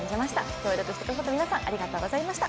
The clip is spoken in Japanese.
協力してくださった皆さんありがとうございました。